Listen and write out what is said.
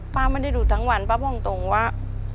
ป้าไม่ได้ดูทั้งวันป้าบอกตรงว่า